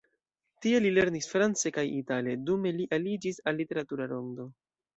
Tie li lernis france kaj itale, dume li aliĝis al literatura rondo.